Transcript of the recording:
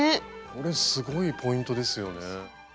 これすごいポイントですよね。